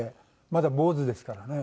まだ坊主ですからね。